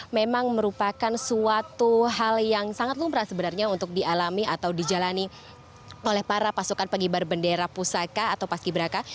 memang merupakan suatu hal yang sangat lumrah sebenarnya untuk dialami atau dijalani oleh para pasukan pengibar bendera pusaka atau paski beraka